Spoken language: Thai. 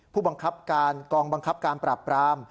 ผู้บังคับการกองบังคับการปราบปราม